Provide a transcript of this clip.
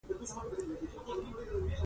کور ونړید او سړی مړ شو.